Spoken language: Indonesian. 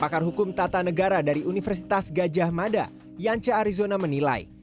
pakar hukum tata negara dari universitas gajah mada yance arizona menilai